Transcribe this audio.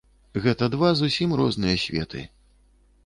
Гэта два зусім розныя светы.